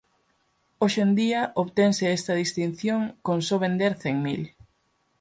Hoxe en día obtense esta distinción con só vender cen mil.